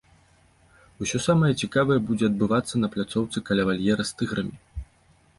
Усё самае цікавае будзе адбывацца на пляцоўцы каля вальера з тыграмі.